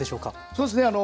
そうですね。